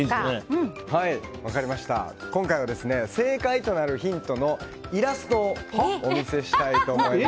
今回は、正解となるヒントのイラストをお見せしたいと思います。